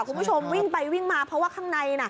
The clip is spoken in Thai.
คุณผู้ชมวิ่งไปวิ่งมาเพราะว่าข้างในน่ะ